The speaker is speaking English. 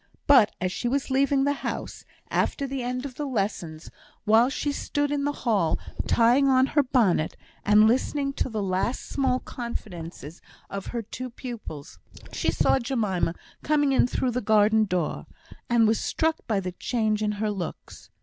But as she was leaving the house, after the end of the lessons, while she stood in the hall tying on her bonnet, and listening to the last small confidences of her two pupils, she saw Jemima coming in through the garden door, and was struck by the change in her looks.